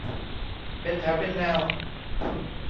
เป็นแถวเป็นแนว